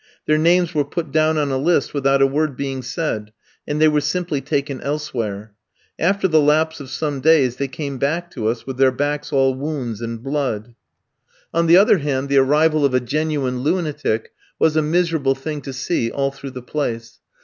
Their names were put down on a list without a word being said, and they were simply taken elsewhere; after the lapse of some days they came back to us with their backs all wounds and blood. On the other hand, the arrival of a genuine lunatic was a miserable thing to see all through the place.